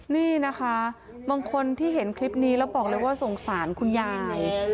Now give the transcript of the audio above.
นี่นะคะบางคนที่เห็นคลิปนี้แล้วบอกเลยว่าสงสารคุณยาย